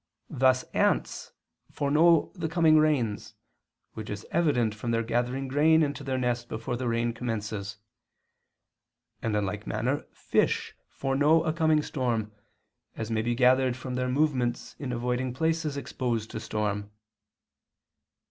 Thus ants foreknow the coming rains, which is evident from their gathering grain into their nest before the rain commences; and in like manner fish foreknow a coming storm, as may be gathered from their movements in avoiding places exposed to storm.